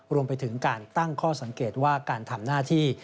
รวมไปถึงการตั้งข้อสังเกตว่าการทำหน้าที่